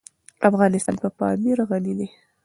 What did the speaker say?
افغانستان په پامیر غني دی.